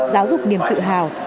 giáo dục niềm tự hào